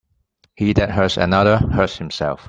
He that hurts another, hurts himself.